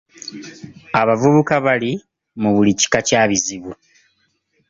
Abavubuka bali mu buli kika kya bizibu.